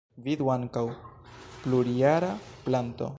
Vidu ankaŭ: plurjara planto.